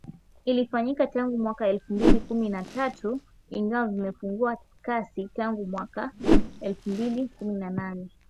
Ilifanyika tangu mwaka elfu mbili kumi na tatu ingawa vimepungua kasi tangu mwaka elfu mbili kumi na nane.